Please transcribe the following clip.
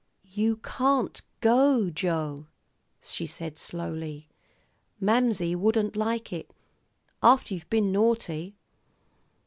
"You can't go, Joe," she said slowly. "Mamsie wouldn't like it, after you've been naughty."